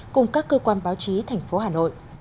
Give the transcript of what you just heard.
cùng các cơ quan báo chí thành phố hà nội